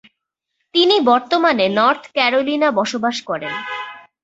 তিনি বর্তমানে North Carolina বসবাস করেন।